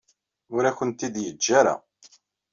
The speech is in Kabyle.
Ur akent-t-id-yeǧǧa ara.